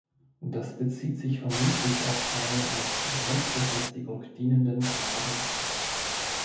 Das bezieht sich vermutlich auf einen als Grenzbefestigung dienenden Graben.